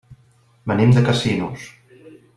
Venim de Casinos.